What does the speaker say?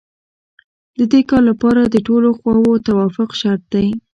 د دې کار لپاره د ټولو خواوو توافق شرط دی.